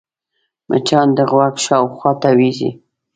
مچان د غوږ شاوخوا تاوېږي